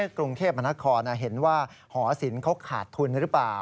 กรุงเทพมนครเห็นว่าหอศิลป์เขาขาดทุนหรือเปล่า